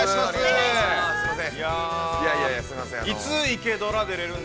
すみません。